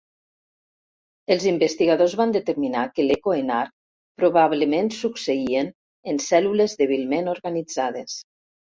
Els investigadors van determinar que l'eco en arc probablement succeïen en cèl·lules dèbilment organitzades.